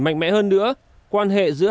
mạnh mẽ hơn nữa quan hệ giữa